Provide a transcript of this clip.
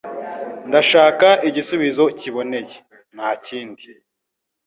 Ndashaka igisubizo kiboneye. Nta kindi.